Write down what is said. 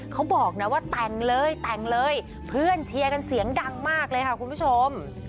เขาบอกนะว่าแต่งเลยแต่งเลยเพื่อนเชียร์กันเสียงดังมากเลยค่ะคุณผู้ชม